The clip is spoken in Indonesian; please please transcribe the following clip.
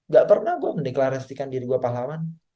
gak pernah gue mendeklarasikan diri gue pahlawan